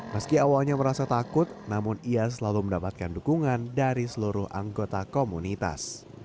meski awalnya merasa takut namun ia selalu mendapatkan dukungan dari seluruh anggota komunitas